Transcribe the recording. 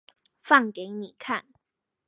放給你看